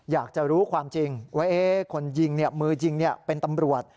อยากจะรู้ความจริงว่าคนยิงมือยิงเป็นตำรวจ